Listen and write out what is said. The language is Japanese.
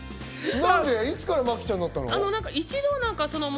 いつからまきちゃんになったの？